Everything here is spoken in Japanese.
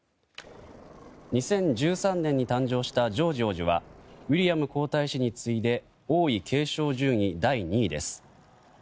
２０１３年に誕生したジョージ王子はウィリアム皇太子に次いで王位継承順位第２位です。